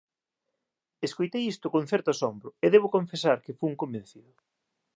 Escoitei isto con certo asombro, e debo confesar que fun convencido.